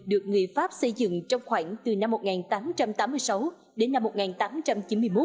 được người pháp xây dựng trong khoảng từ năm một nghìn tám trăm tám mươi sáu đến năm một nghìn tám trăm chín mươi một